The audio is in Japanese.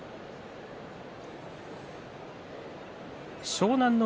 湘南乃